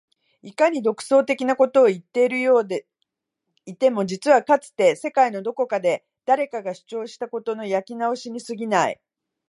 いかに独創的なことを言っているようでいても実はかつて世界のどこかで誰かが主張したことの焼き直しに過ぎない